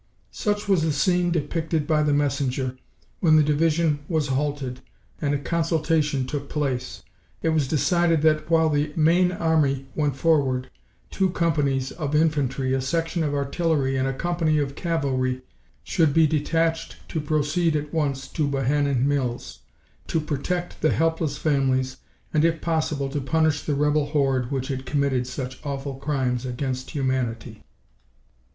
Such was the scene depicted by the messenger, when the division was halted, and a consultation took place. It was decided that, while the main army went forward, two companies of infantry, a section of artillery, and a company of cavalry, should be detached to proceed at once to "Bohannan Mills," to protect the helpless families, and, if possible, to punish the rebel horde which had committed such awful crimes against humanity.